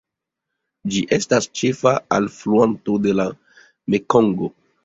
Ĝi estas ĉefa alfluanto de la Mekongo.